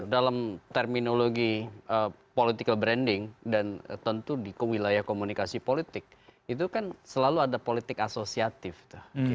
dalam terminologi political branding dan tentu di wilayah komunikasi politik itu kan selalu ada politik asosiatif tuh